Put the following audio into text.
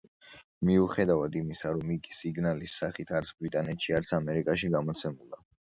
მიუხედავად იმისა, რომ იგი სინგლის სახით არც ბრიტანეთში, არც ამერიკაში გამოცემულა.